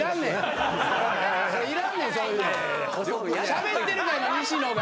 しゃべってるから西野が。